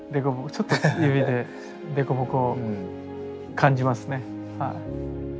ちょっと指でデコボコを感じますねはい。